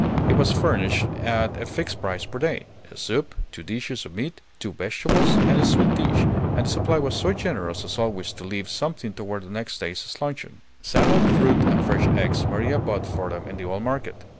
It was furnished at a fixed price per day, a soup, two dishes of meat, two vegetables, and a sweet dish; and the supply was so generous as always to leave something toward next day's luncheon. Salad, fruit, and fresh eggs Maria bought for them in the old market.